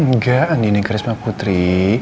nggak andi nih krispah putri